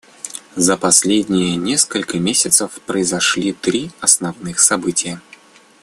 За последние несколько месяцев произошли три основных события.